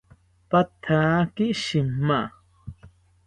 Pathaki shima